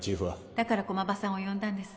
だから駒場さんを呼んだんです